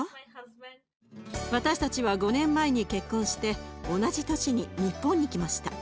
私たちは５年前に結婚して同じ年に日本に来ました。